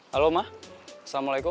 halo ma assalamualaikum